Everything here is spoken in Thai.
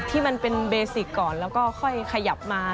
ที่มันเป็นเบสิกก่อนแล้วก็ค่อยขยับมา